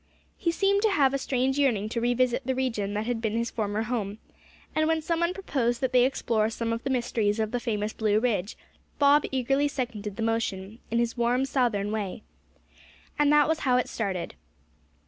He seemed to have a strange yearning to revisit the region that had been his former home; and when some one proposed that they explore some of the mysteries of the famous Blue Ridge, Bob eagerly seconded the motion, in his warm Southern way. And that was how it started.